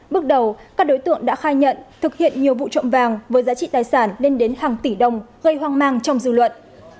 bước đầu các đối tượng đã khai nhận thực hiện nhiều vụ trộm vàng với giá trị tài sản lên đến hàng tỷ đồng gây hoang mang trong dư luận